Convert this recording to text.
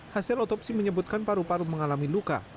hasil otopsi menyebutkan paru paru mengalami luka